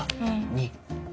２。